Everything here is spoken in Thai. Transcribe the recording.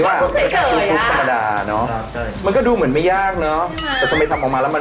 ยังไงลบควนดึงแหงตาให้ไปต่อดื่มเลย